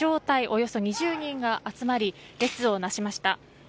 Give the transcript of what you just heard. およそ２０人が集まり列をなしました。